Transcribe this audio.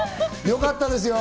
良かったですよ。